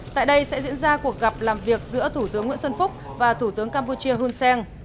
tại đây sẽ diễn ra cuộc gặp làm việc giữa thủ tướng nguyễn xuân phúc và thủ tướng campuchia hun sen